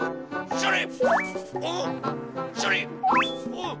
それ！